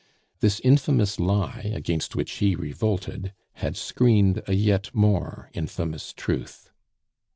This infamous lie against which he revolted had screened a yet more infamous truth.